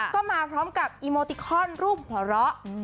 ก็มาพร้อมกับอีโมติคอนรูปหัวเราะ